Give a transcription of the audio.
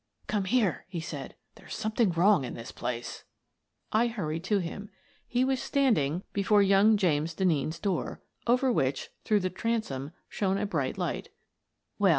" Come here," he said. " There's something wrong in this place." I hurried to him. He was standing before young "Dead for a Ducat" 49 James Denneen's door, over which, through the transom, shone a bright light "Well?"